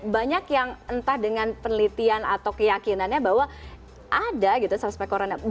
banyak yang entah dengan penelitian atau keyakinannya bahwa ada gitu suspek corona